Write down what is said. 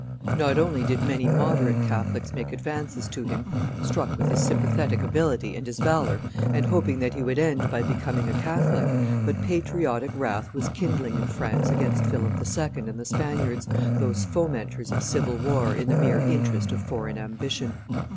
Not only did many moderate Catholics make advances to him, struck with his sympathetic ability and his valor, and hoping that he would end by becoming a Catholic, but patriotic wrath was kindling in France against Philip II. and the Spaniards, those fomenters of civil war in the mere interest of foreign ambition.